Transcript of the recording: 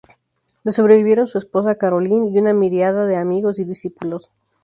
Le sobrevivieron su esposa Carolyn, y una miríada de amigos y discípulos.